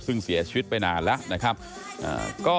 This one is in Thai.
ซึ่งเสียชีวิตไปนานแล้ว